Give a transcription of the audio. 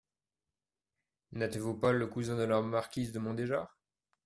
N’êtes-vous pas le cousin de la marquise de Mondéjar !